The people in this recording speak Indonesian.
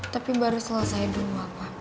tapi baru selesai dulu